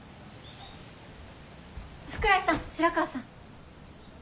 福来さん白川さん。